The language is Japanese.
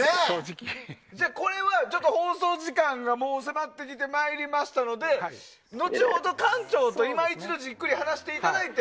じゃあ、これは放送時間がもう迫ってきましたので後ほど、館長といま一度じっくり話していただいて。